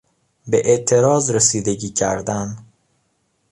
به اعتراض رسیدگی کردن